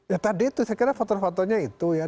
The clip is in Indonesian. ya tadi itu saya kira faktor faktornya itu ya